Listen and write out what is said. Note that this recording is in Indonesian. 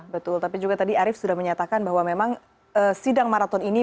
betul tapi juga tadi arief sudah menyatakan bahwa memang sidang maraton ini